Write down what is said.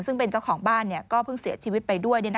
ซึ่งเป็นเจ้าของบ้านก็เพิ่งเสียชีวิตไปด้วย